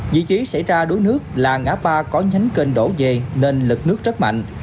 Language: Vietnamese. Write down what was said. vị trí xảy ra đuối nước là ngã ba có nhánh kênh đổ về nên lực nước rất mạnh